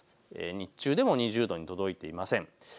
日中でも２０度に届いていません。